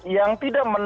yang tidak memiliki